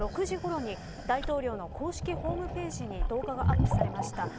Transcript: ６時ごろに大統領の公式ホームページに動画がアップされました。